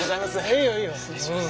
失礼します。